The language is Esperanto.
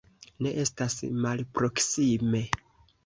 Ne estas malproksime.